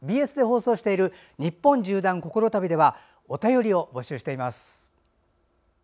ＢＳで放送している「にっぽん縦断こころ旅」ではお便りを募集しています。